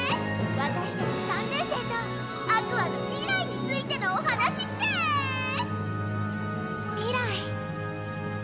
私たち３年生とＡｑｏｕｒｓの未来についてのお話デース！未来。